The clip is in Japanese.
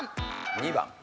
２番。